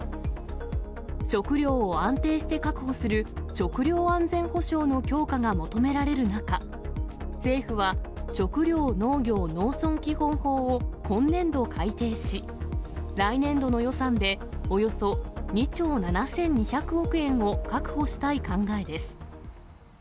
食料を安定して確保する食料安全保障の強化が求められる中、政府は、食料・農業・農村基本法を今年度改定し、来年度の予算でおよそ２兆７２００億円を確保したい考えです。